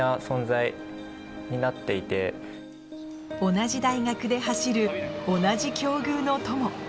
同じ大学で走る同じ境遇の友